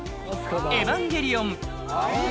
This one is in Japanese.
「エヴァンゲリオン」